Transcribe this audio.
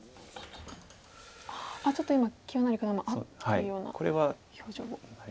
ちょっと今清成九段も「あっ！」というような表情を。